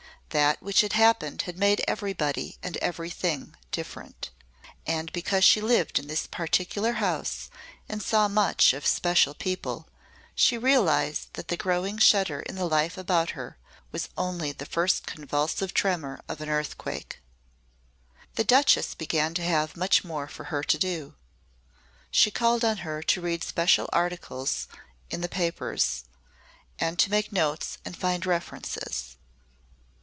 That which had happened had made everybody and everything different; and, because she lived in this particular house and saw much of special people, she realised that the growing shudder in the life about her was only the first convulsive tremor of an earthquake. The Duchess began to have much more for her to do. She called on her to read special articles in the papers, and to make notes and find references.